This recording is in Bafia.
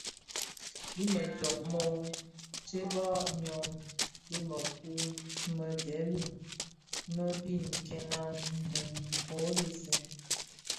Dhi me jommog mōō tsebbag myom bi mëkuu më ndhèli më bi nken a mum kō dhesè lè.